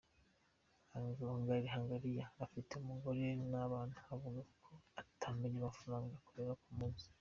Hangariya, ufite umugore n’abana, avuga ko atamenya amafaranga akorera ku munsi.